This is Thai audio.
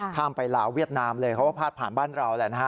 ข้ามไปลาวเวียดนามเลยเขาก็พาดผ่านบ้านเราแหละนะฮะ